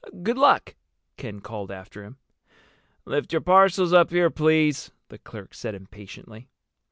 "Good luck!" Ken called after him. "Lift your parcels up here, please," the clerk said impatiently.